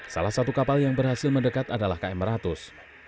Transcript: salah satu kapal yang berhasil mendekat adalah km ratus